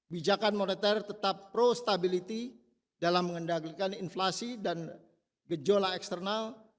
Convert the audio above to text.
bijakan moneter tetap pro stability dalam mengendalikan inflasi dan gejola eksternal